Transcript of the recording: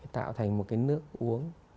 tạo thành một cái nước uống